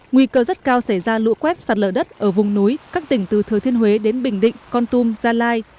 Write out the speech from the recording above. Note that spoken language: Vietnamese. nguy cơ rất cao xảy ra lũ quét sạt lở đất ở vùng núi các tỉnh từ thừa thiên huế đến bình định con tum gia lai